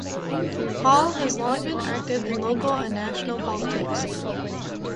Hall has long been active in local and national politics.